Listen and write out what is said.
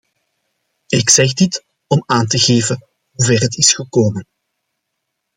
Ik zeg dit, om aan te geven hoe ver het is gekomen.